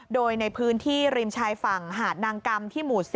โดยในพื้นที่ริมชายฝั่งหาดนางกรรมที่หมู่๔